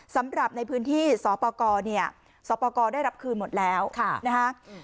สำหรับในพื้นที่สปกรเนี่ยสปกรได้รับคืนหมดแล้วนะคะ